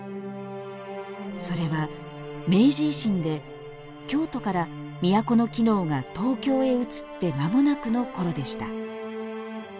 それは、明治維新で京都から都の機能が東京へうつってまもなくのころでした。